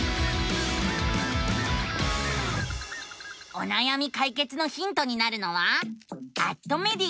おなやみ解決のヒントになるのは「アッ！とメディア」。